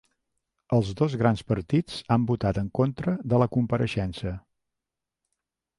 Els dos grans partits han votat en contra de la compareixença